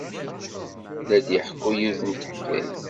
La d-iḥekku yiwet n teḥkayt.